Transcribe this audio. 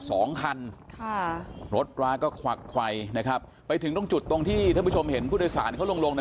สองคันค่ะรถราก็ขวักไขวนะครับไปถึงตรงจุดตรงที่ท่านผู้ชมเห็นผู้โดยสารเขาลงลงนะ